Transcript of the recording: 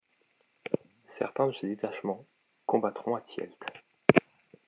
Certains de ces détachements combattront à Tielt.